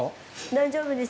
大丈夫ですね。